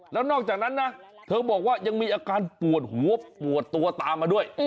แล้วนอกจากนั้นนะเธอบอกว่ายังมีอาการปวดหัวปวดตัวตามมาด้วย